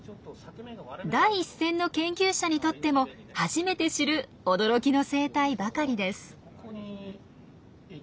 第一線の研究者にとっても初めて知る驚きの生態ばかりです。